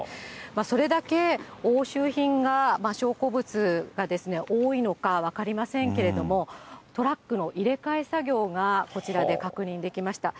それだけ押収品が、証拠物が多いのか分かりませんけれども、トラックの入れ替え作業がこちらで確認できました。